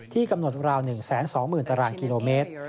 กำหนดราว๑๒๐๐๐ตารางกิโลเมตร